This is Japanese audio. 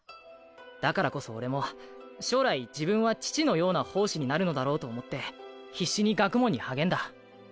だからこそオレも将来自分は父のような法師になるのだろうと思って必死に学問に励んだ。